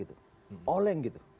itu yang kita lakukan